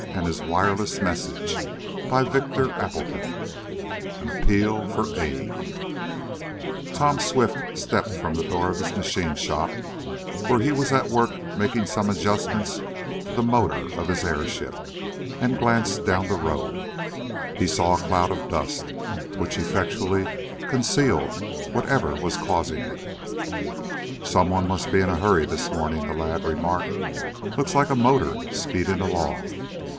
"WE ARE LOST!" XXV. THE RESCUE CONCLUSION CHAPTER I AN APPEAL FOR AID Tom Swift stepped from the door of the machine shop, where he was at work making some adjustments to the motor of his airship, and glanced down the road. He saw a cloud of dust, which effectually concealed whatever was causing it. "Some one must be in a hurry this morning," the lad remarked, "Looks like a motor speeding along.